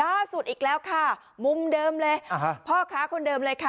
ล่าสุดอีกแล้วค่ะมุมเดิมเลยพ่อค้าคนเดิมเลยค่ะ